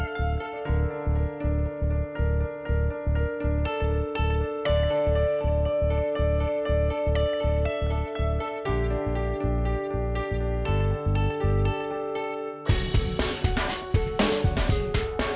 saudara gua sendiri